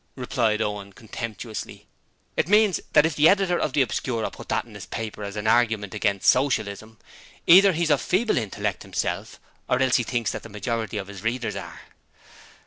replied Owen contemptuously. 'It means that if the Editor of the Obscurer put that in his paper as an argument against Socialism, either he is of feeble intellect himself or else he thinks that the majority of his readers are.